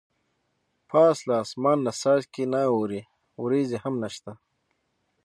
پاس له اسمان نه څاڅکي نه اوري ورېځې هم نشته.